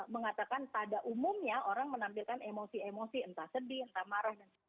mengatakan pada umumnya orang menampilkan emosi emosi entah sedih entah marah dan sebagainya